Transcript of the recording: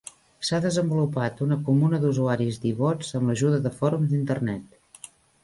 S'ha desenvolupat una comuna d'usuaris d'I-Bots amb l'ajuda de fòrums d'Internet.